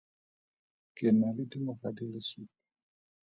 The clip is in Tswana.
Ke na le dingwaga di le supa.